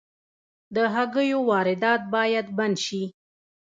د هګیو واردات باید بند شي